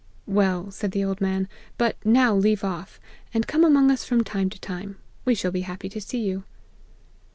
"' Well,' said the old man, 'but now leave off, and come among us from time to time ; we shall be happy to see you.'